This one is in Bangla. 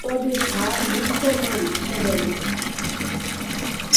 তবে তার মুখ্য মান কেবল একটি।